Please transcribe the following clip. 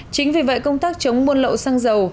chính vì vậy công tác chống buôn lậu xăng dầu